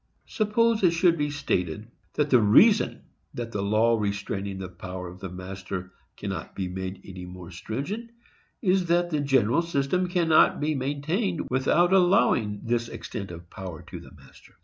Suppose it should be stated that the reason that the law restraining the power of the master cannot be made any more stringent is, that the general system cannot be maintained without allowing this extent of power to the master.